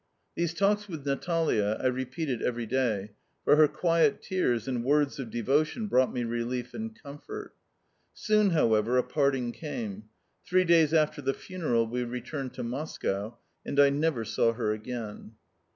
These talks with Natalia I repeated every day, for her quiet tears and words of devotion brought me relief and comfort. Soon, however, a parting came. Three days after the funeral we returned to Moscow, and I never saw her again.